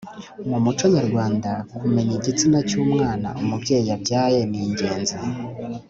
mu muco nyarwanda, kumenya igitsina cy‘umwana umubyeyi yabyaye ni ingenzi